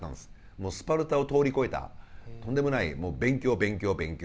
もうスパルタを通り越えたとんでもない勉強勉強勉強。